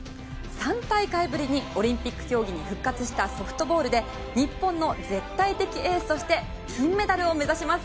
３大会ぶりにオリンピック競技に復活したソフトボールで日本の絶対的エースとして金メダルを目指します。